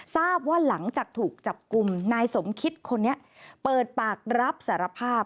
ทราบว่าหลังจากถูกจับกลุ่มนายสมคิดคนนี้เปิดปากรับสารภาพ